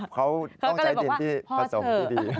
เขาต้องใช้ดินที่ผสมที่ดี